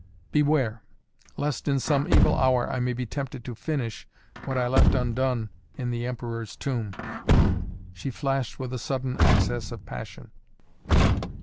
"Beware lest in some evil hour I may be tempted to finish what I left undone in the Emperor's Tomb!" she flashed with a sudden access of passion.